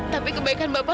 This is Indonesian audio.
tapi kebaikan bapak